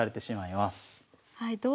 はい。